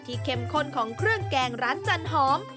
เข้มข้นของเครื่องแกงร้านจันหอม